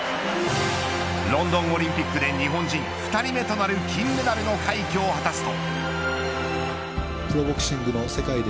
ロンドンオリンピックで日本人２人目となる金メダルの快挙を果たすと。